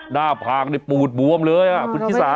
หน้าพางปูดบวมเลยครับศิษฐา